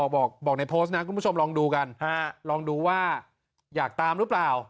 บอกในโพสต์นะคุณผู้ชมลองดูกันลองดูว่าอยากตามหรือเปล่า